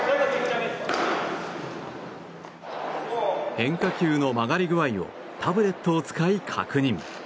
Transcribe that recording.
変化球の曲がり具合をタブレットを使い確認。